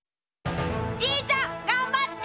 じいちゃんがんばって！